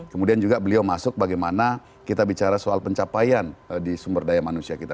kemudian juga beliau masuk bagaimana kita bicara soal pencapaian di sumber daya manusia kita